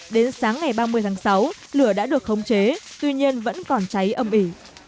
đến sáng ngày ba mươi tháng sáu lửa đã được khống chế tuy nhiên vẫn còn cháy âm ỉ